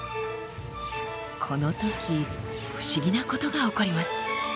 このとき不思議なことが起こります。